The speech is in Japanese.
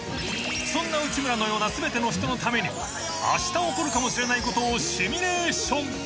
［そんな内村のような全ての人のためにあした起こるかもしれないことをシミュレーション］